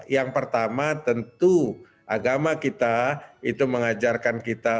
yang pertama tentu agama kita itu mengajarkan kita